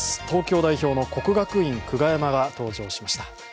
東京代表の国学院久我山が登場しました。